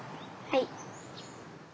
はい。